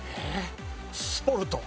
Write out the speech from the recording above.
スポルト。